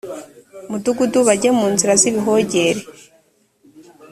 mudugudu bajye mu nzira z ibihogere